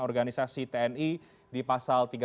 organisasi tni di pasal tiga ratus